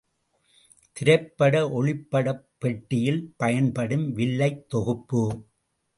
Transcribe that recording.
திரைப்பட ஒளிப்படப் பெட்டியில் பயன்படும் வில்லைத் தொகுப்பு.